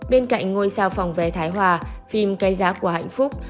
bên cạnh ngôi sao phòng vé thái hòa phim cái giá của hạnh phúc